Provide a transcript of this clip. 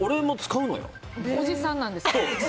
おじさんなんですよ。